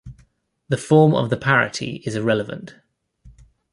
The form of the parity is irrelevant.